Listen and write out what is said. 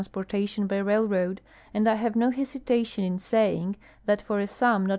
s ])ortation by railroad, and I have no hesitation in saying that for a sum not e.